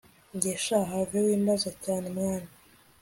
njye sha have wimbaza cyane mwana